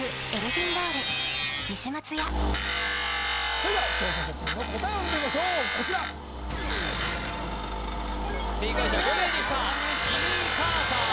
それでは挑戦者チームの答えを見てみましょうこちら正解者５名でしたジミー・カーター